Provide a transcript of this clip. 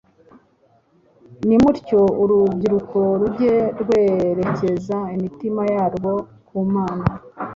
nimutyo urubyiruko rujye rwerekeza imitima yarwo ku Mana.